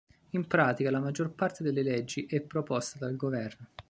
In pratica, la maggior parte delle leggi è proposta dal Governo.